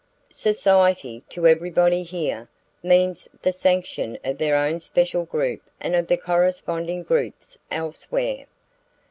Society, to everybody here, means the sanction of their own special group and of the corresponding groups elsewhere.